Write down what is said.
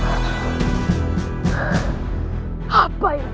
sepertinya ada yang aneh